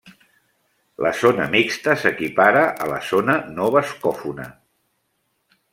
La Zona mixta s'equipara a la zona no bascòfona.